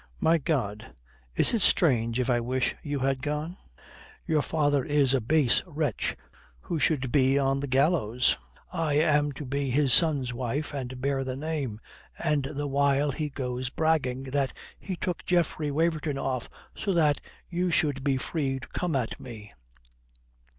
"My God, is it strange if I wish you had gone? Your father is a base wretch who should be on the gallows, and I am to be his son's wife and bear the name, and the while he goes bragging that he took Geoffrey Waverton off so that you should be free to come at me."